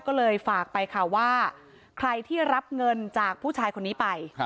ก็เลยฝากไปค่ะว่าใครที่รับเงินจากผู้ชายคนนี้ไป